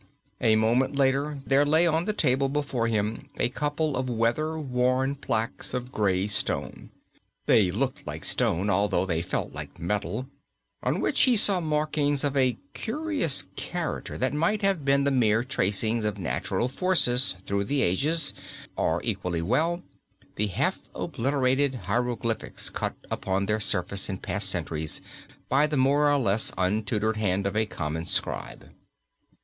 A moment later there lay on the table before him a couple of weather worn plaques of grey stone they looked like stone, although they felt like metal on which he saw markings of a curious character that might have been the mere tracings of natural forces through the ages, or, equally well, the half obliterated hieroglyphics cut upon their surface in past centuries by the more or less untutored hand of a common scribe.